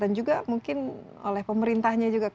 dan juga mungkin oleh pemerintahnya juga